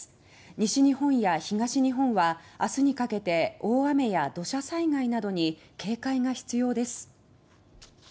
西日本や東日本は明日にかけて大雨や土砂災害などに警戒が必要です。